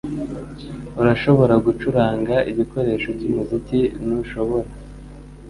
Urashobora gucuranga igikoresho cyumuziki, ntushobora?